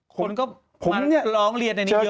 คนก็มาร้องเรียนในนี้เยอะมาก